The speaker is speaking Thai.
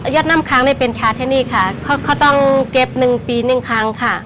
ยอดน้ำค้างเนี่ยเป็นชาที่นี่ค่ะเขาเขาต้องเก็บหนึ่งปีหนึ่งครั้งค่ะ